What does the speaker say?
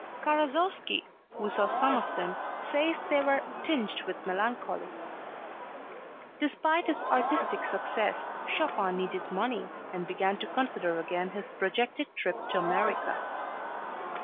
Karasowski who saw some of them says they were tinged with melancholy. Despite his artistic success Chopin needed money and began to consider again his projected trip to America.